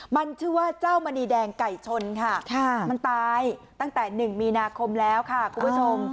มันชื่อว่าเจ้ามณีแดงไก่ชนค่ะมันตายตั้งแต่๑มีนาคมแล้วค่ะคุณผู้ชม